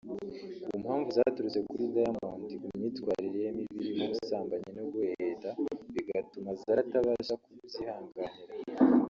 ku mpamvu zaturutse kuri Diamond ku myitwarire ye mibi irimo ubusambanyi no guheheta bigatuma Zari atabasha kubyihanganira